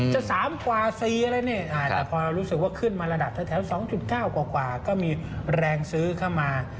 เป็นว่าวเลยจะ๓๔กว่าแถว๒๙กว่าก็มีแรงซื้อเข้ามา